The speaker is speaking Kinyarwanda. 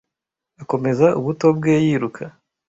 Akomeza ubuto bwe yiruka.